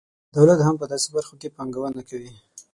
دولت هم په داسې برخو کې پانګونه کوي.